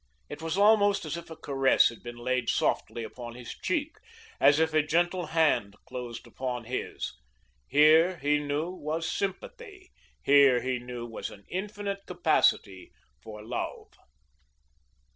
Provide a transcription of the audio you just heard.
It was almost as if a caress had been laid softly upon his cheek, as if a gentle hand closed upon his. Here, he knew, was sympathy; here, he knew, was an infinite capacity for love.